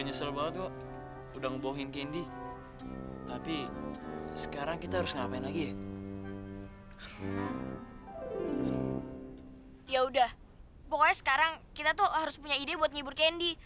yaudah pokoknya sekarang kita tuh harus punya ide buat ngibur candy